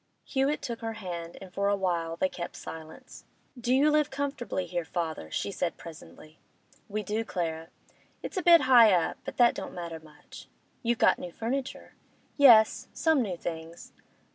Hewett took her hand, and for a while they kept silence. 'Do you live comfortably here, father?' she said presently. 'We do, Clara. It's a bit high up, but that don't matter much.' 'You've got new furniture.' 'Yes, some new things.